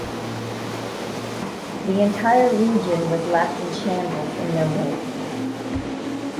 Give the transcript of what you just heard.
The entire region was left in shambles in their wake.